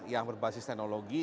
yang berbasis teknologi